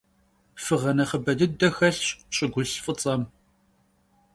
Fığe nexhıbe dıde xelhş ş'ıgulh f'ıts'em.